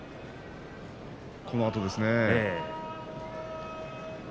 このあとですね。